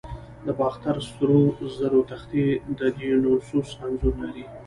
د باختر سرو زرو تختې د دیونوسوس انځور لري